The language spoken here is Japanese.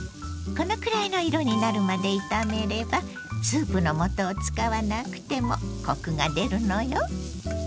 このくらいの色になるまで炒めればスープのもとを使わなくてもコクが出るのよ。